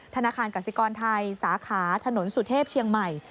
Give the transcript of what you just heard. ธนาคารกสิกรไทยสาขาถนนสุเทพเชียงใหม่